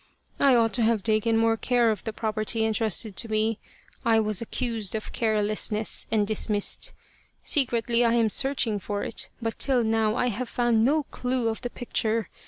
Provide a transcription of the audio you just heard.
I ought to have taken more care of the property entrusted to me. I was accused of carelessness and dismissed. Secretly I am searching for it, but till now I have found no clue of the picture.